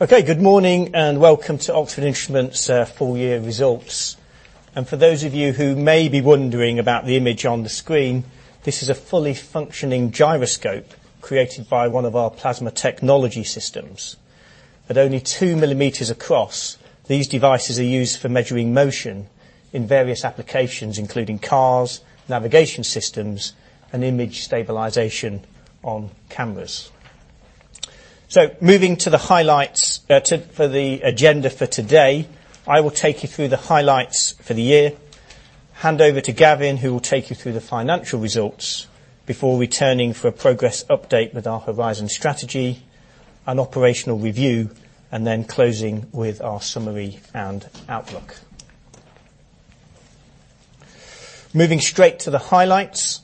Okay, good morning and welcome to Oxford Instruments' full year results. For those of you who may be wondering about the image on the screen, this is a fully functioning gyroscope created by one of our plasma technology systems. At only two millimeters across, these devices are used for measuring motion in various applications, including cars, navigation systems, and image stabilization on cameras. Moving to the highlights for the agenda for today, I will take you through the highlights for the year, hand over to Gavin, who will take you through the financial results before returning for a progress update with our Horizon Strategy, an operational review, and then closing with our summary and outlook. Moving straight to the highlights,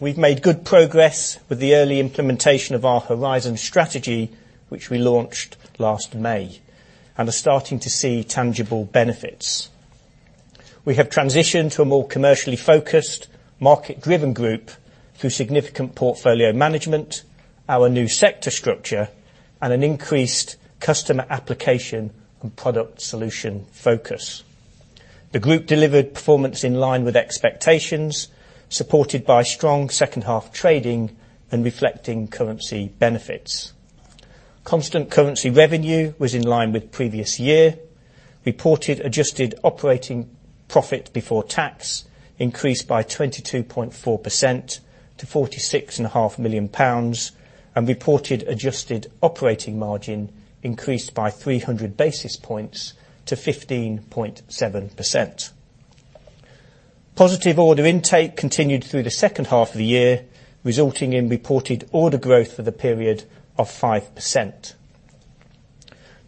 we've made good progress with the early implementation of our Horizon Strategy, which we launched last May, and are starting to see tangible benefits. We have transitioned to a more commercially focused, market-driven group through significant portfolio management, our new sector structure, and an increased customer application and product solution focus. The group delivered performance in line with expectations, supported by strong second half trading and reflecting currency benefits. Constant currency revenue was in line with previous year, reported adjusted operating profit before tax increased by 22.4% to GBP 46.5 million, and reported adjusted operating margin increased by 300 basis points to 15.7%. Positive order intake continued through the second half of the year, resulting in reported order growth for the period of 5%.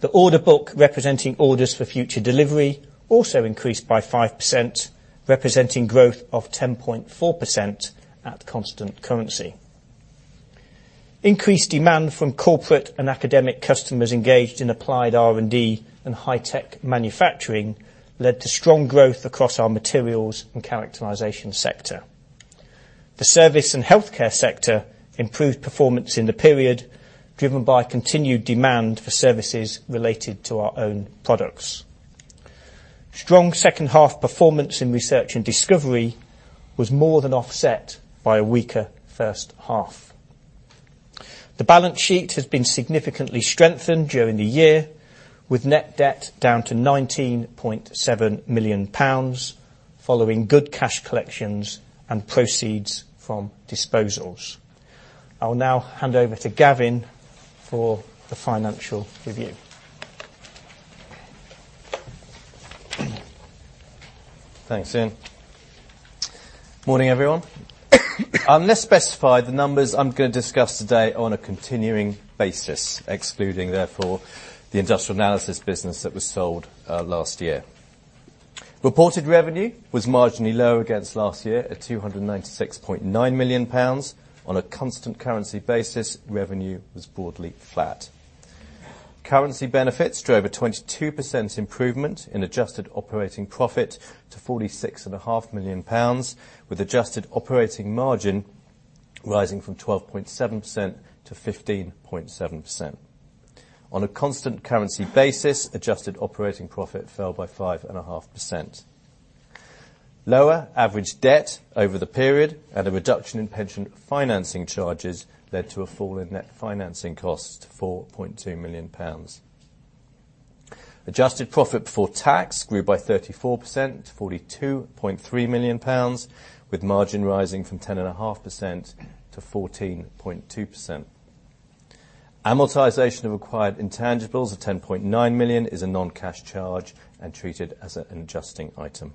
The order book representing orders for future delivery also increased by 5%, representing growth of 10.4% at constant currency. Increased demand from corporate and academic customers engaged in applied R&D and high-tech manufacturing led to strong growth across our materials and characterization sector. The service and healthcare sector improved performance in the period, driven by continued demand for services related to our own products. Strong second half performance in research and discovery was more than offset by a weaker first half. The balance sheet has been significantly strengthened during the year, with net debt down to GBP 19.7 million following good cash collections and proceeds from disposals. I'll now hand over to Gavin for the financial review. Thanks, Ian. Morning, everyone. I'll now specify the numbers I'm going to discuss today on a continuing basis, excluding, therefore, the industrial analysis business that was sold last year. Reported revenue was marginally lower against last year at 296.9 million pounds. On a constant currency basis, revenue was broadly flat. Currency benefits drove a 22% improvement in adjusted operating profit to GBP 46.5 million, with adjusted operating margin rising from 12.7% - 15.7%. On a constant currency basis, adjusted operating profit fell by 5.5%. Lower average debt over the period and a reduction in pension financing charges led to a fall in net financing cost to 4.2 million pounds. Adjusted profit before tax grew by 34% to 42.3 million pounds, with margin rising from 10.5% - 14.2%. Amortization of acquired intangibles of 10.9 million is a non-cash charge and treated as an adjusting item.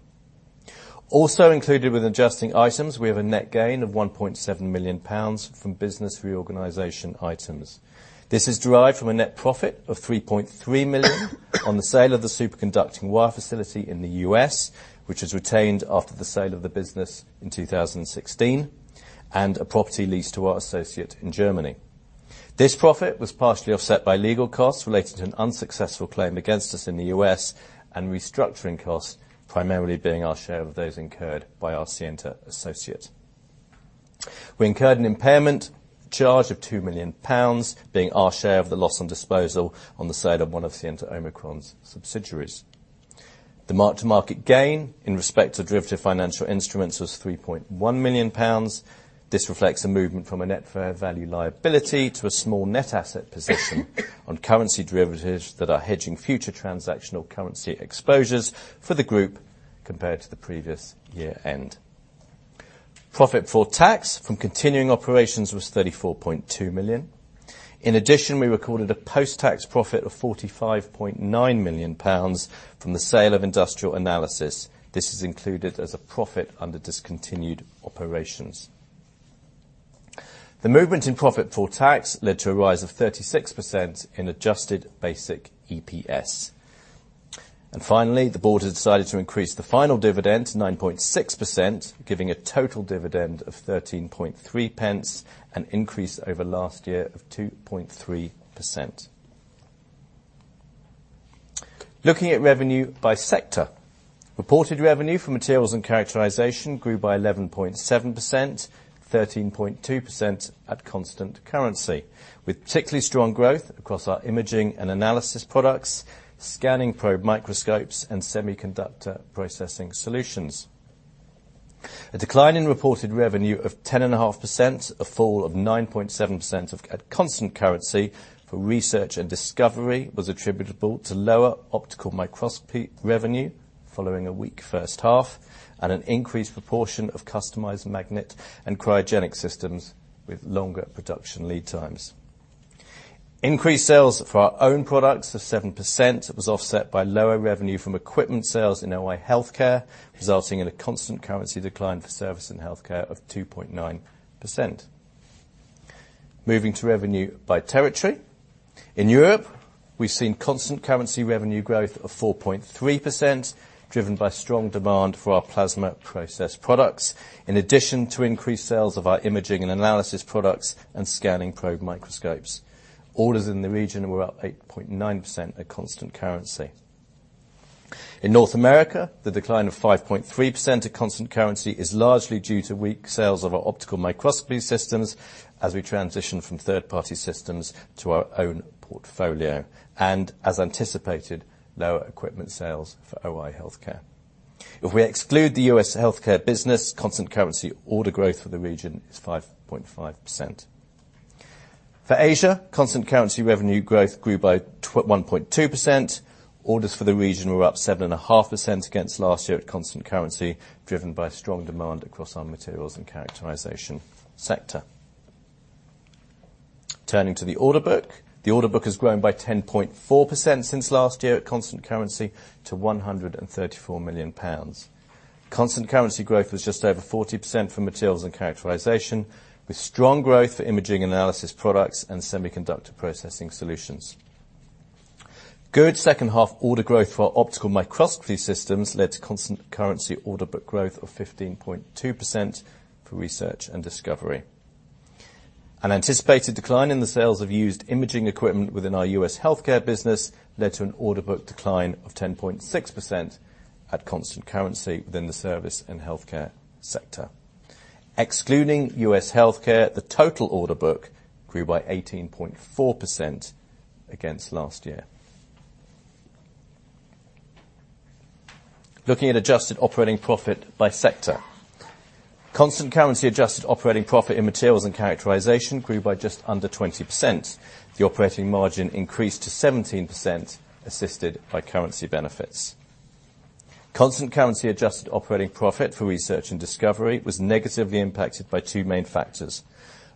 Also included with adjusting items, we have a net gain of 1.7 million pounds from business reorganization items. This is derived from a net profit of 3.3 million on the sale of the superconducting wire facility in the U.S., which was retained after the sale of the business in 2016, and a property lease to our associate in Germany. This profit was partially offset by legal costs related to an unsuccessful claim against us in the U.S., and restructuring costs, primarily being our share of those incurred by our Scienta associate. We incurred an impairment charge of 2 million pounds, being our share of the loss on disposal on the side of one of Scienta Omicron's subsidiaries. The mark-to-market gain in respect to derivative financial instruments was 3.1 million pounds. This reflects a movement from a net fair value liability to a small net asset position on currency derivatives that are hedging future transactional currency exposures for the group compared to the previous year-end. Profit before tax from continuing operations was 34.2 million. In addition, we recorded a post-tax profit of 45.9 million pounds from the sale of industrial analysis. This is included as a profit under discontinued operations. The movement in profit before tax led to a rise of 36% in adjusted basic EPS. Finally, the board has decided to increase the final dividend to 9.6%, giving a total dividend of 13.30, an increase over last year of 2.3%. Looking at revenue by sector, reported revenue for materials and characterization grew by 11.7%, 13.2% at constant currency, with particularly strong growth across our imaging and analysis products, scanning probe microscopes, and semiconductor processing solutions. A decline in reported revenue of 10.5%, a fall of 9.7% at constant currency for research and discovery, was attributable to lower optical microscopy revenue following a weak first half and an increased proportion of customized magnet and cryogenic systems with longer production lead times. Increased sales for our own products of 7% was offset by lower revenue from equipment sales in healthcare, resulting in a constant currency decline for service and healthcare of 2.9%. Moving to revenue by territory, in Europe, we've seen constant currency revenue growth of 4.3%, driven by strong demand for our plasma process products, in addition to increased sales of our imaging and analysis products and scanning probe microscopes. Orders in the region were up 8.9% at constant currency. In North America, the decline of 5.3% at constant currency is largely due to weak sales of our optical microscopy systems as we transition from third-party systems to our own portfolio, and, as anticipated, lower equipment sales for OI healthcare. If we exclude the U.S. healthcare business, constant currency order growth for the region is 5.5%. For Asia, constant currency revenue growth grew by 1.2%. Orders for the region were up 7.5% against last year at constant currency, driven by strong demand across our materials and characterization sector. Turning to the order book, the order book has grown by 10.4% since last year at constant currency to 134 million pounds. Constant currency growth was just over 40% for materials and characterization, with strong growth for imaging and analysis products and semiconductor processing solutions. Good second half order growth for our optical microscopy systems led to constant currency order book growth of 15.2% for research and discovery. An anticipated decline in the sales of used imaging equipment within our U.S. healthcare business led to an order book decline of 10.6% at constant currency within the service and healthcare sector. Excluding U.S. healthcare, the total order book grew by 18.4% against last year. Looking at adjusted operating profit by sector, constant currency adjusted operating profit in materials and characterization grew by just under 20%. The operating margin increased to 17%, assisted by currency benefits. Constant currency adjusted operating profit for research and discovery was negatively impacted by two main factors: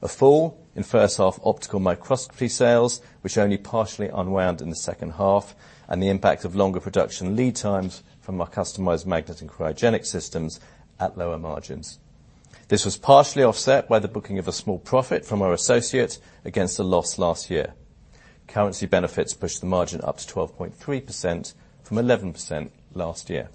a fall in first half optical microscopy sales, which only partially unwound in the second half, and the impact of longer production lead times from our customized magnet and cryogenic systems at lower margins. This was partially offset by the booking of a small profit from our associate against the loss last year. Currency benefits pushed the margin up to 12.3% from 11% last year.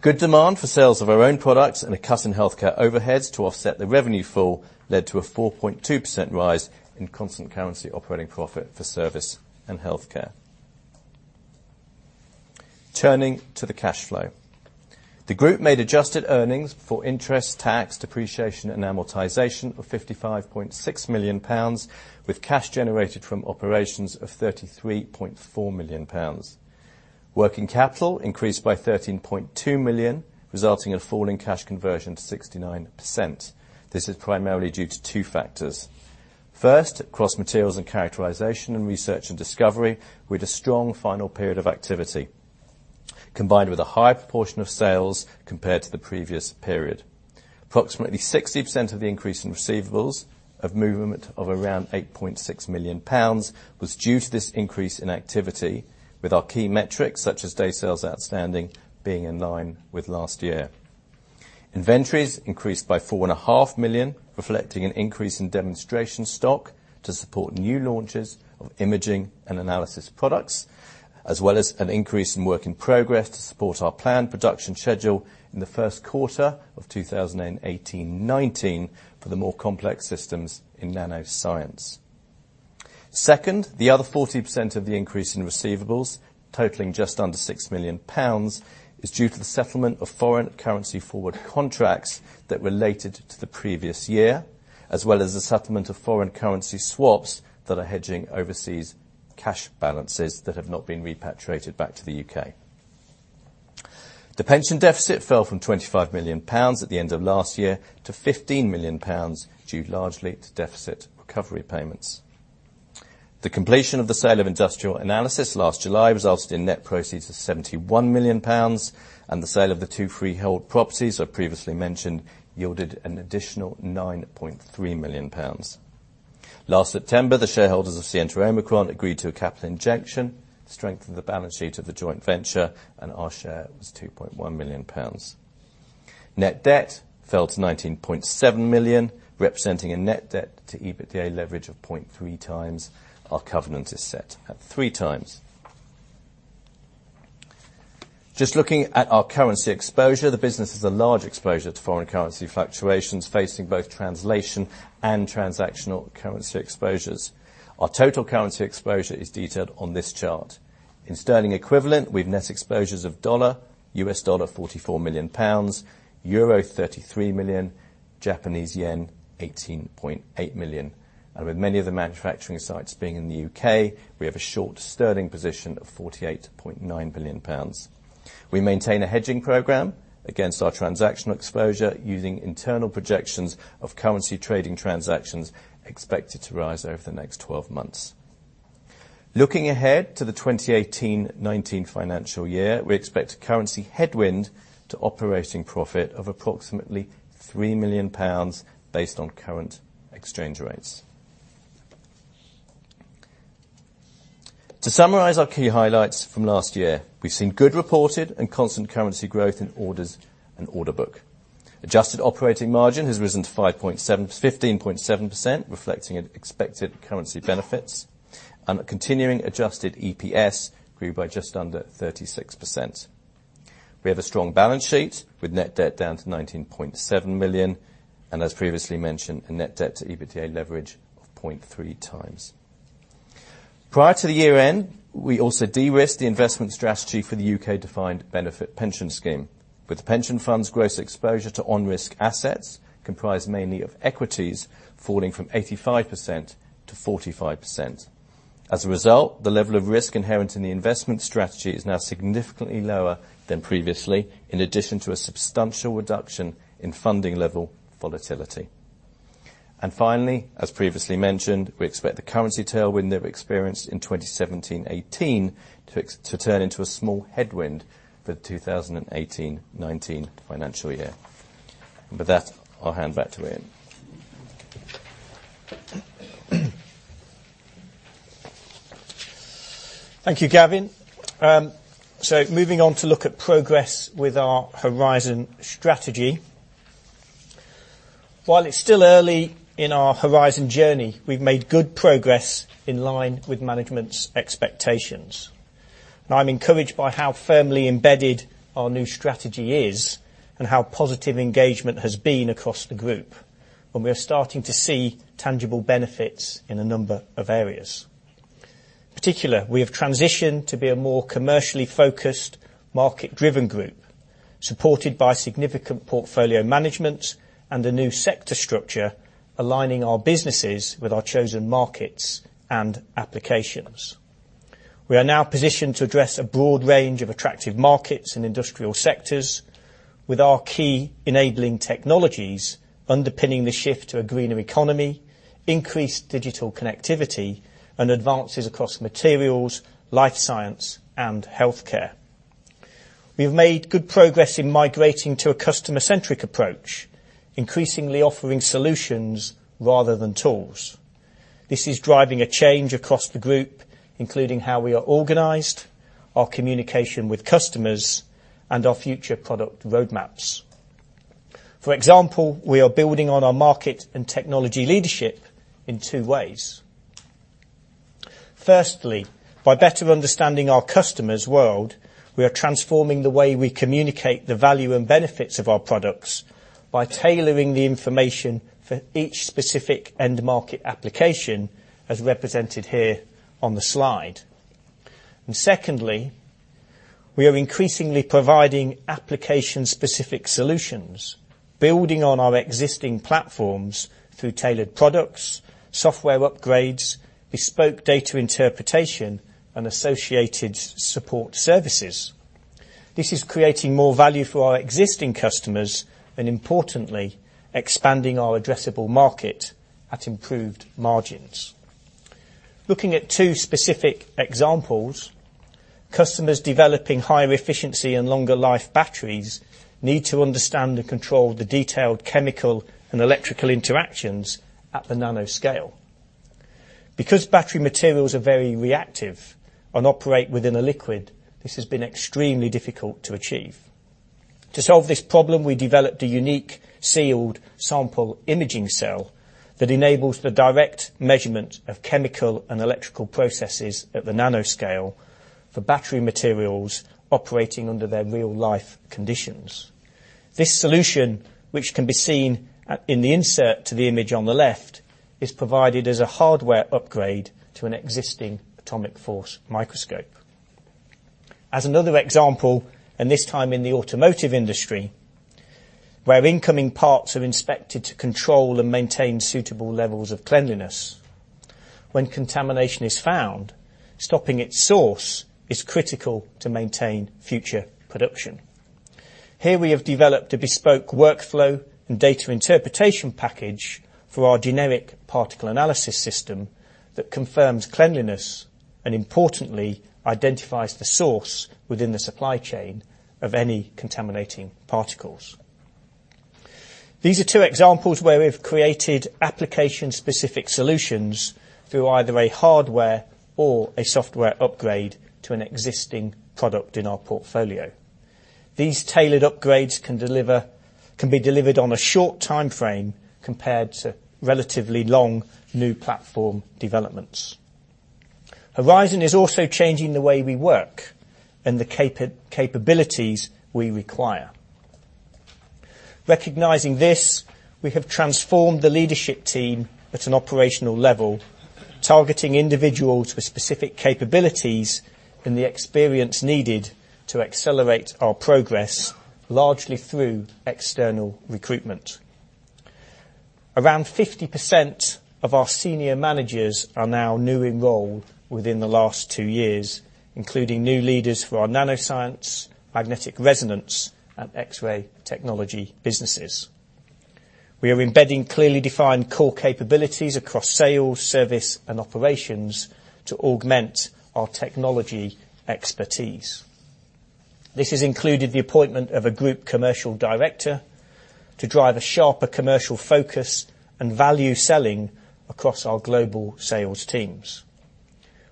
Good demand for sales of our own products and a cut in healthcare overheads to offset the revenue fall led to a 4.2% rise in constant currency operating profit for service and healthcare. Turning to the cash flow, the group made adjusted earnings for interest, tax, depreciation, and amortization of 55.6 million pounds, with cash generated from operations of 33.4 million pounds. Working capital increased by 13.2 million, resulting in a fall in cash conversion to 69%. This is primarily due to two factors. First, across materials and characterization and research and discovery, we had a strong final period of activity, combined with a high proportion of sales compared to the previous period. Approximately 60% of the increase in receivables of movement of around 8.6 million pounds was due to this increase in activity, with our key metrics, such as day sales outstanding, being in line with last year. Inventories increased by 4.5 million, reflecting an increase in demonstration stock to support new launches of imaging and analysis products, as well as an increase in work in progress to support our planned production schedule in the first quarter of 2018, 2019 for the more complex systems in nanoscience. Second, the other 40% of the increase in receivables, totaling just under 6 million pounds, is due to the settlement of foreign currency forward contracts that related to the previous year, as well as the settlement of foreign currency swaps that are hedging overseas cash balances that have not been repatriated back to the U.K. The pension deficit fell from 25 million pounds at the end of last year to 15 million pounds due largely to deficit recovery payments. The completion of the sale of Industrial Analysis last July resulted in net proceeds of 71 million pounds, and the sale of the two freehold properties I previously mentioned yielded an additional 9.3 million pounds. Last September, the shareholders of Scienta Omicron agreed to a capital injection to strengthen the balance sheet of the joint venture, and our share was 2.1 million pounds. Net debt fell to 19.7 million, representing a net debt to EBITDA leverage of 0.3 times. Our covenant is set at three times. Just looking at our currency exposure, the business has a large exposure to foreign currency fluctuations facing both translation and transactional currency exposures. Our total currency exposure is detailed on this chart. In sterling equivalent, we have net exposures of dollar, US dollar 44 million pounds, euro 33 million, Japanese yen 18.8 million. With many of the manufacturing sites being in the U.K., we have a short sterling position of 48.9 billion pounds. We maintain a hedging program against our transactional exposure using internal projections of currency trading transactions expected to rise over the next 12 months. Looking ahead to the 2018, 2019 financial year, we expect a currency headwind to operating profit of approximately 3 million pounds based on current exchange rates. To summarize our key highlights from last year, we've seen good reported and constant currency growth in orders and order book. Adjusted operating margin has risen to 15.7%, reflecting expected currency benefits, and a continuing adjusted EPS grew by just under 36%. We have a strong balance sheet with net debt down to 19.7 million, and as previously mentioned, a net debt to EBITDA leverage of 0.3 times. Prior to the year-end, we also de-risked the investment strategy for the U.K.-defined benefit pension scheme, with the pension funds' gross exposure to on-risk assets comprised mainly of equities falling from 85% - 45%. As a result, the level of risk inherent in the investment strategy is now significantly lower than previously, in addition to a substantial reduction in funding-level volatility. Finally, as previously mentioned, we expect the currency tailwind that we experienced in 2017, 2018 to turn into a small headwind for the 2018, 2019 financial year. With that, I'll hand back to Ian. Thank you, Gavin. Moving on to look at progress with our Horizon strategy. While it's still early in our Horizon journey, we've made good progress in line with management's expectations. I'm encouraged by how firmly embedded our new strategy is and how positive engagement has been across the group, and we are starting to see tangible benefits in a number of areas. In particular, we have transitioned to be a more commercially focused, market-driven group, supported by significant portfolio management and a new sector structure aligning our businesses with our chosen markets and applications. We are now positioned to address a broad range of attractive markets and industrial sectors, with our key enabling technologies underpinning the shift to a greener economy, increased digital connectivity, and advances across materials, life science, and healthcare. We have made good progress in migrating to a customer-centric approach, increasingly offering solutions rather than tools. This is driving a change across the group, including how we are organized, our communication with customers, and our future product roadmaps. For example, we are building on our market and technology leadership in two ways. Firstly, by better understanding our customers' world, we are transforming the way we communicate the value and benefits of our products by tailoring the information for each specific end-market application, as represented here on the slide. Secondly, we are increasingly providing application-specific solutions, building on our existing platforms through tailored products, software upgrades, bespoke data interpretation, and associated support services. This is creating more value for our existing customers and, importantly, expanding our addressable market at improved margins. Looking at two specific examples, customers developing higher efficiency and longer-life batteries need to understand and control the detailed chemical and electrical interactions at the nanoscale. Because battery materials are very reactive and operate within a liquid, this has been extremely difficult to achieve. To solve this problem, we developed a unique sealed sample imaging cell that enables the direct measurement of chemical and electrical processes at the nanoscale for battery materials operating under their real-life conditions. This solution, which can be seen in the insert to the image on the left, is provided as a hardware upgrade to an existing atomic force microscope. As another example, and this time in the automotive industry, where incoming parts are inspected to control and maintain suitable levels of cleanliness, when contamination is found, stopping its source is critical to maintain future production. Here, we have developed a bespoke workflow and data interpretation package for our generic particle analysis system that confirms cleanliness and, importantly, identifies the source within the supply chain of any contaminating particles. These are two examples where we've created application-specific solutions through either a hardware or a software upgrade to an existing product in our portfolio. These tailored upgrades can be delivered on a short time frame compared to relatively long new platform developments. Horizon is also changing the way we work and the capabilities we require. Recognizing this, we have transformed the leadership team at an operational level, targeting individuals with specific capabilities and the experience needed to accelerate our progress, largely through external recruitment. Around 50% of our senior managers are now newly enrolled within the last two years, including new leaders for our nanoscience, magnetic resonance, and X-ray technology businesses. We are embedding clearly defined core capabilities across sales, service, and operations to augment our technology expertise. This has included the appointment of a group commercial director to drive a sharper commercial focus and value selling across our global sales teams.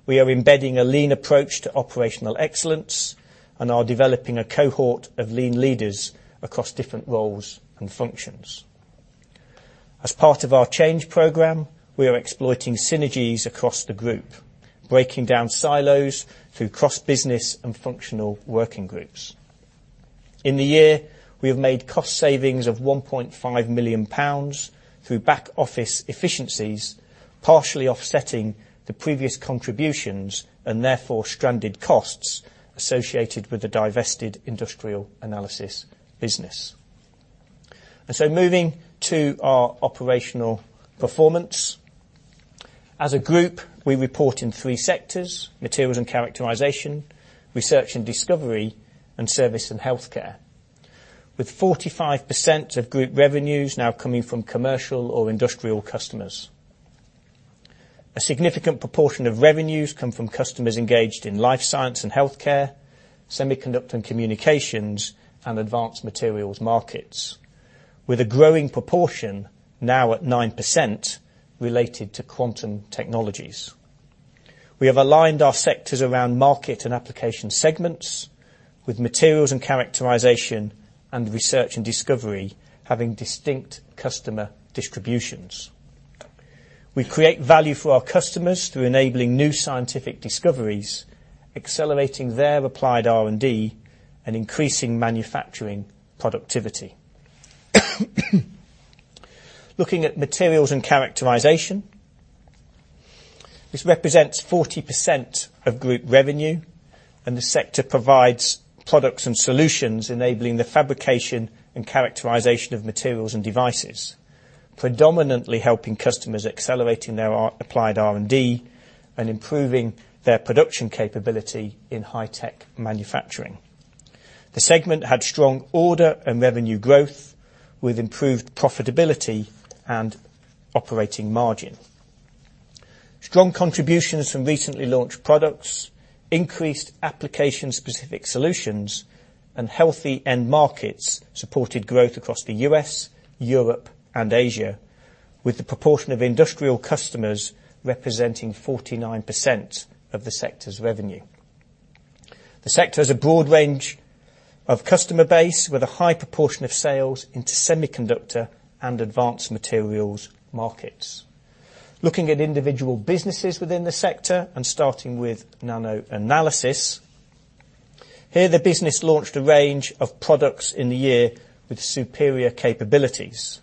We are embedding a lean approach to operational excellence and are developing a cohort of lean leaders across different roles and functions. As part of our change program, we are exploiting synergies across the group, breaking down silos through cross-business and functional working groups. In the year, we have made cost savings of 1.5 million pounds through back-office efficiencies, partially offsetting the previous contributions and therefore stranded costs associated with the divested industrial analysis business. Moving to our operational performance, as a group, we report in three sectors: materials and characterization, research and discovery, and service and healthcare, with 45% of group revenues now coming from commercial or industrial customers. A significant proportion of revenues come from customers engaged in life science and healthcare, semiconductor and communications, and advanced materials markets, with a growing proportion now at 9% related to quantum technologies. We have aligned our sectors around market and application segments, with materials and characterization and research and discovery having distinct customer distributions. We create value for our customers through enabling new scientific discoveries, accelerating their applied R&D, and increasing manufacturing productivity. Looking at materials and characterization, this represents 40% of group revenue, and the sector provides products and solutions enabling the fabrication and characterization of materials and devices, predominantly helping customers accelerating their applied R&D and improving their production capability in high-tech manufacturing. The segment had strong order and revenue growth, with improved profitability and operating margin. Strong contributions from recently launched products, increased application-specific solutions, and healthy end markets supported growth across the U.S., Europe, and Asia, with the proportion of industrial customers representing 49% of the sector's revenue. The sector has a broad range of customer base with a high proportion of sales into semiconductor and advanced materials markets. Looking at individual businesses within the sector and starting with nano analysis, here, the business launched a range of products in the year with superior capabilities.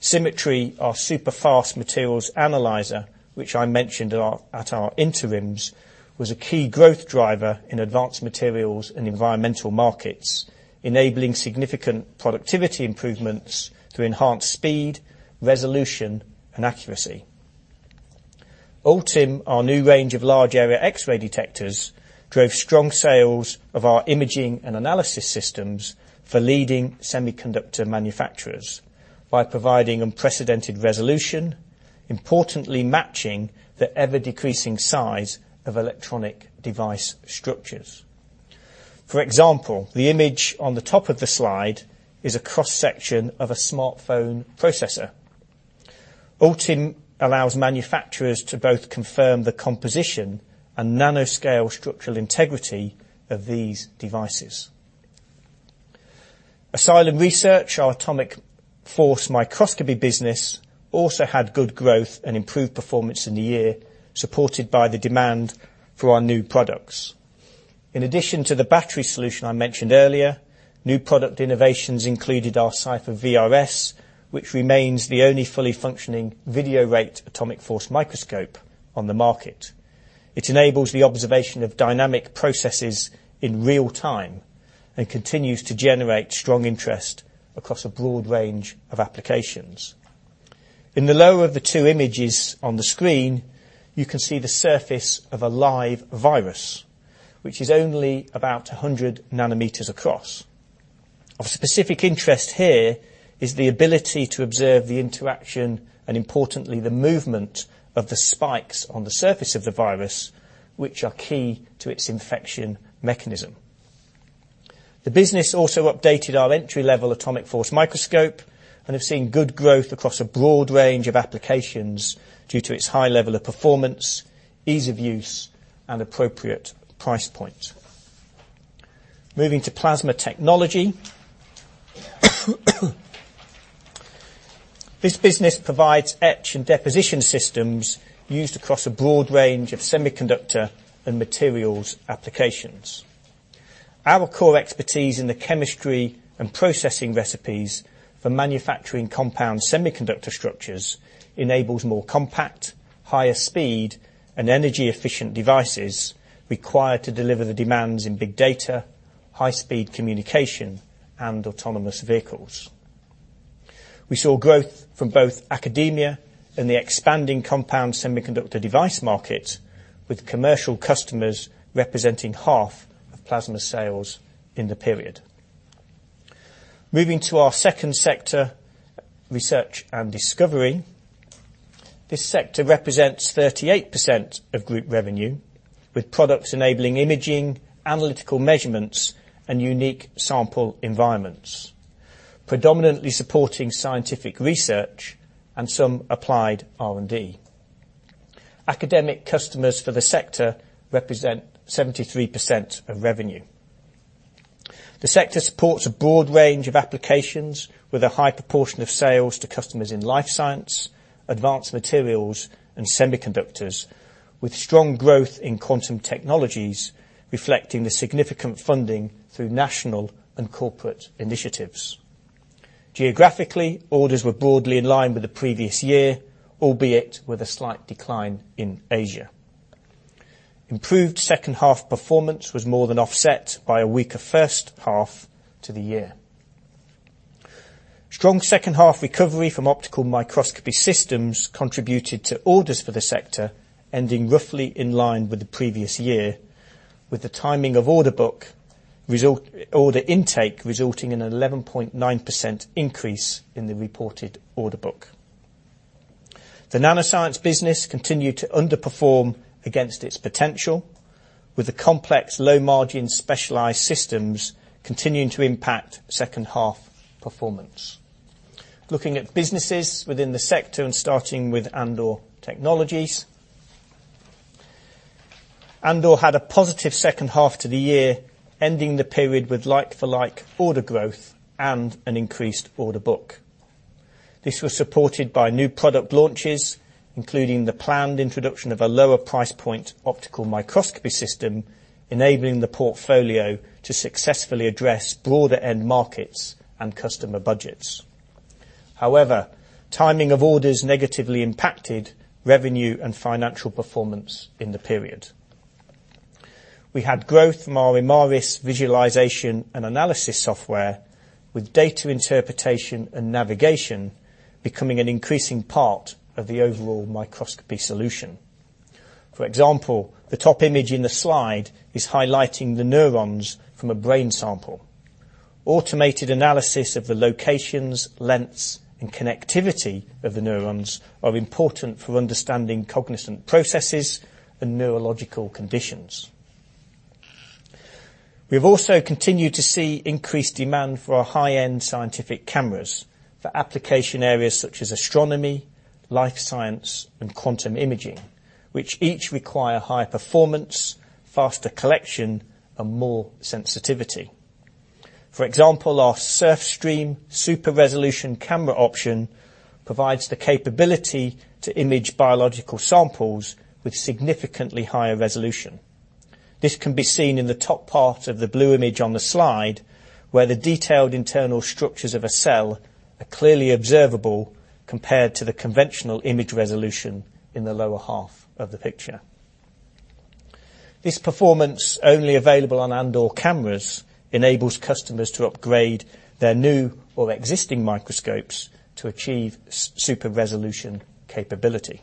Symmetry, our super-fast materials analyzer, which I mentioned at our interims, was a key growth driver in advanced materials and environmental markets, enabling significant productivity improvements to enhance speed, resolution, and accuracy. Ultim, our new range of large area X-ray detectors, drove strong sales of our imaging and analysis systems for leading semiconductor manufacturers by providing unprecedented resolution, importantly matching the ever-decreasing size of electronic device structures. For example, the image on the top of the slide is a cross-section of a smartphone processor. Ultim allows manufacturers to both confirm the composition and nanoscale structural integrity of these devices. Asylum Research, our atomic force microscopy business, also had good growth and improved performance in the year, supported by the demand for our new products. In addition to the battery solution I mentioned earlier, new product innovations included our Cypher VRS, which remains the only fully functioning video rate atomic force microscope on the market. It enables the observation of dynamic processes in real time and continues to generate strong interest across a broad range of applications. In the lower of the two images on the screen, you can see the surface of a live virus, which is only about 100 nm across. Of specific interest here is the ability to observe the interaction and, importantly, the movement of the spikes on the surface of the virus, which are key to its infection mechanism. The business also updated our entry-level atomic force microscope and has seen good growth across a broad range of applications due to its high level of performance, ease of use, and appropriate price point. Moving to plasma technology, this business provides etch and deposition systems used across a broad range of semiconductor and materials applications. Our core expertise in the chemistry and processing recipes for manufacturing compound semiconductor structures enables more compact, higher speed, and energy-efficient devices required to deliver the demands in big data, high-speed communication, and autonomous vehicles. We saw growth from both academia and the expanding compound semiconductor device market, with commercial customers representing half of plasma sales in the period. Moving to our second sector, research and discovery, this sector represents 38% of group revenue, with products enabling imaging, analytical measurements, and unique sample environments, predominantly supporting scientific research and some applied R&D. Academic customers for the sector represent 73% of revenue. The sector supports a broad range of applications, with a high proportion of sales to customers in life science, advanced materials, and semiconductors, with strong growth in quantum technologies reflecting the significant funding through national and corporate initiatives. Geographically, orders were broadly in line with the previous year, albeit with a slight decline in Asia. Improved second half performance was more than offset by a weaker first half to the year. Strong second half recovery from optical microscopy systems contributed to orders for the sector ending roughly in line with the previous year, with the timing of order book order intake resulting in an 11.9% increase in the reported order book. The nanoscience business continued to underperform against its potential, with the complex low-margin specialized systems continuing to impact second half performance. Looking at businesses within the sector and starting with Andor Technologies, Andor had a positive second half to the year, ending the period with like-for-like order growth and an increased order book. This was supported by new product launches, including the planned introduction of a lower price point optical microscopy system, enabling the portfolio to successfully address broader end markets and customer budgets. However, timing of orders negatively impacted revenue and financial performance in the period. We had growth from our Imaris visualization and analysis software, with data interpretation and navigation becoming an increasing part of the overall microscopy solution. For example, the top image in the slide is highlighting the neurons from a brain sample. Automated analysis of the locations, lengths, and connectivity of the neurons are important for understanding cognizant processes and neurological conditions. We have also continued to see increased demand for our high-end scientific cameras for application areas such as astronomy, life science, and quantum imaging, which each require high performance, faster collection, and more sensitivity. For example, our Surfstream super-resolution camera option provides the capability to image biological samples with significantly higher resolution. This can be seen in the top part of the blue image on the slide, where the detailed internal structures of a cell are clearly observable compared to the conventional image resolution in the lower half of the picture. This performance, only available on Andor cameras, enables customers to upgrade their new or existing microscopes to achieve super-resolution capability.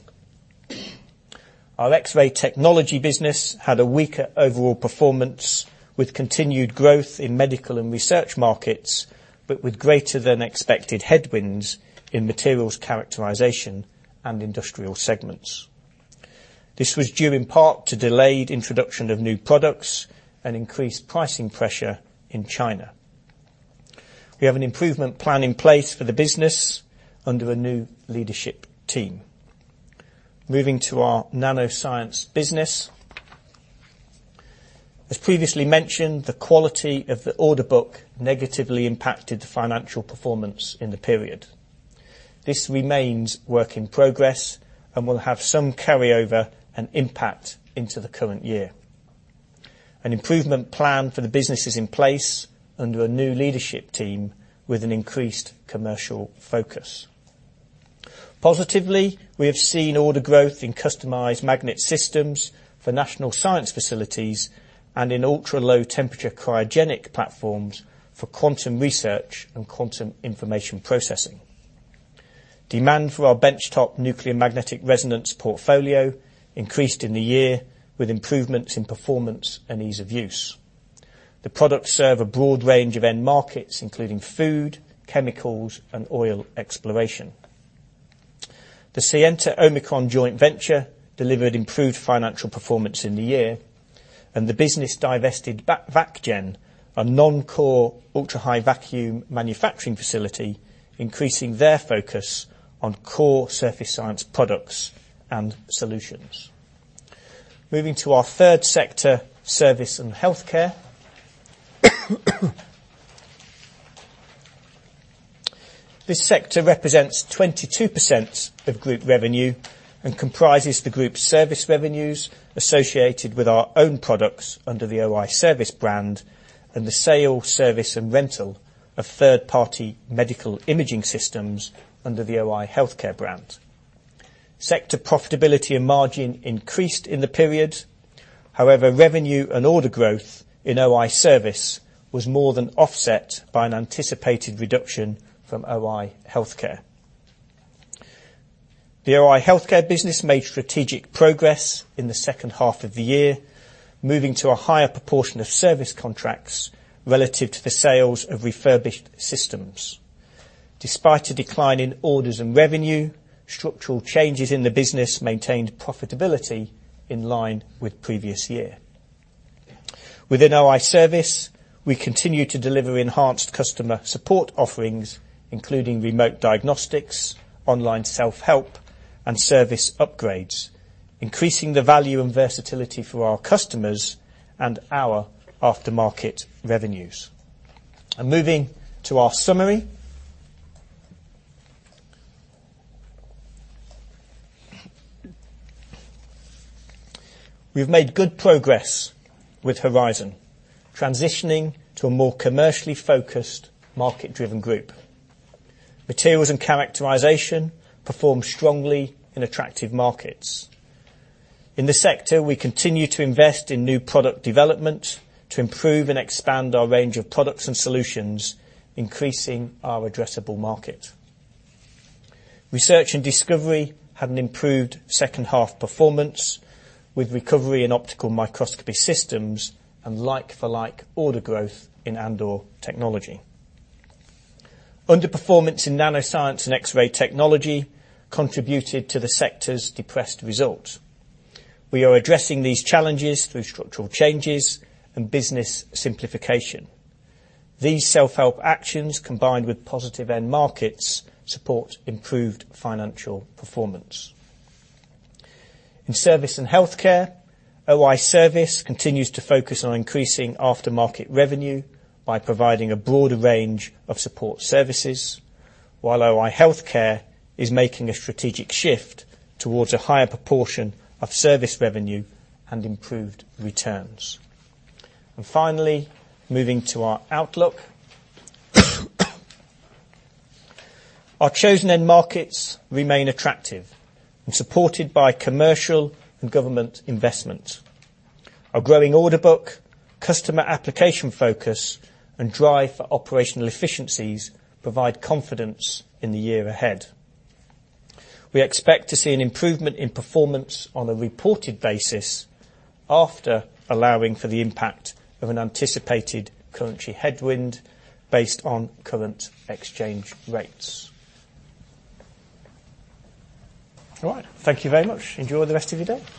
Our X-ray technology business had a weaker overall performance, with continued growth in medical and research markets, but with greater-than-expected headwinds in materials characterization and industrial segments. This was due in part to delayed introduction of new products and increased pricing pressure in China. We have an improvement plan in place for the business under a new leadership team. Moving to our nanoscience business, as previously mentioned, the quality of the order book negatively impacted the financial performance in the period. This remains work in progress and will have some carryover and impact into the current year. An improvement plan for the business is in place under a new leadership team with an increased commercial focus. Positively, we have seen order growth in customized magnet systems for national science facilities and in ultra-low-temperature cryogenic platforms for quantum research and quantum information processing. Demand for our benchtop nuclear magnetic resonance portfolio increased in the year with improvements in performance and ease of use. The products serve a broad range of end markets, including food, chemicals, and oil exploration. The Scienta Omicron Joint Venture delivered improved financial performance in the year, and the business divested VacGen, a non-core ultra-high vacuum manufacturing facility, increasing their focus on core surface science products and solutions. Moving to our third sector, service and healthcare. This sector represents 22% of group revenue and comprises the group's service revenues associated with our own products under the OI Service brand and the sale, service, and rental of third-party medical imaging systems under the OI Healthcare brand. Sector profitability and margin increased in the period. However, revenue and order growth in OI Service was more than offset by an anticipated reduction from OI Healthcare. The OI Healthcare business made strategic progress in the second half of the year, moving to a higher proportion of service contracts relative to the sales of refurbished systems. Despite a decline in orders and revenue, structural changes in the business maintained profitability in line with the previous year. Within OI Service, we continue to deliver enhanced customer support offerings, including remote diagnostics, online self-help, and service upgrades, increasing the value and versatility for our customers and our aftermarket revenues. Moving to our summary, we've made good progress with Horizon, transitioning to a more commercially focused, market-driven group. Materials and characterization perform strongly in attractive markets. In the sector, we continue to invest in new product development to improve and expand our range of products and solutions, increasing our addressable market. Research and discovery had an improved second half performance with recovery in optical microscopy systems and like-for-like order growth in Andor Technologies. Underperformance in nanoscience and X-ray technology contributed to the sector's depressed result. We are addressing these challenges through structural changes and business simplification. These self-help actions, combined with positive end markets, support improved financial performance. In service and healthcare, OI Service continues to focus on increasing aftermarket revenue by providing a broader range of support services, while OI Healthcare is making a strategic shift towards a higher proportion of service revenue and improved returns. Finally, moving to our outlook, our chosen end markets remain attractive and supported by commercial and government investments. Our growing order book, customer application focus, and drive for operational efficiencies provide confidence in the year ahead. We expect to see an improvement in performance on a reported basis after allowing for the impact of an anticipated currency headwind based on current exchange rates. All right. Thank you very much. Enjoy the rest of your day.